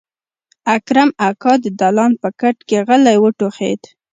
اکرم اکا د دالان په کټ کې غلی وټوخېد.